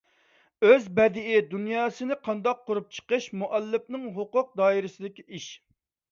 ئۆز بەدىئىي دۇنياسىنى قانداق قۇرۇپ چىقىش مۇئەللىپنىڭ ھوقۇق دائىرىسىدىكى ئىش.